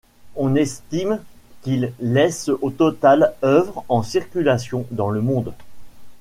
On estime qu'il laisse au total œuvres en circulation dans le monde.